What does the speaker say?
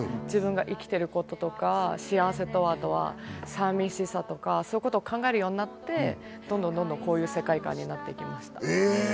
自分が生きていることとか、幸せとはさみしさとか、そういうことを考えるようになって、どんどんこういう世界観になっていきました。